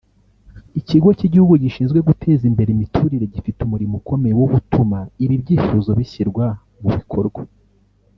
Ikigo cy’igihugu gishinzwe guteza imbere imiturire gifite umurimo ukomeye wo gutuma ibi byifuzo bishyirwa mu bikorwa